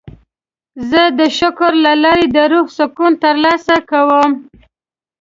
زه د شکر له لارې د روح سکون ترلاسه کوم.